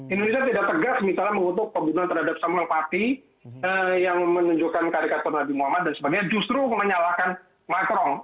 indonesia tidak tegas misalnya mengutuk pembunuhan terhadap samuel pati yang menunjukkan karikatur nabi muhammad dan sebagainya justru menyalahkan macron